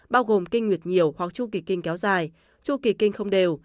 bao gồm kinh nguyệt nhiều hoặc chu kỳ kinh kéo dài chu kỳ kinh không đều